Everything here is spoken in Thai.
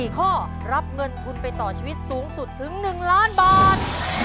๔ข้อรับเงินทุนไปต่อชีวิตสูงสุดถึง๑ล้านบาท